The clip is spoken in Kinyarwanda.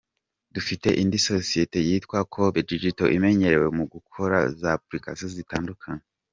Dufite indi sosiyete yitwa Kobe Digital imenyerewe mu gukora za applications zitandukanye.